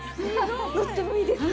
乗ってもいいですか？